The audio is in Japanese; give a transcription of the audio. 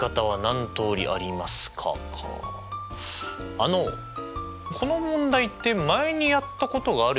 あのこの問題って前にやったことがあるような気がするんですけど。